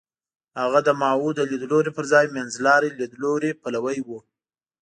هغه د ماوو د لیدلوري پر ځای منځلاري لیدلوري پلوی و.